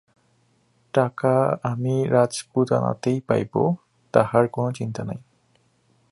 টাকা আমি রাজপুতানাতেই পাইব, তাহার কোন চিন্তা নাই।